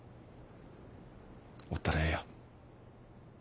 おったらええよ。